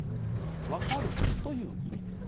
わかるという意味です。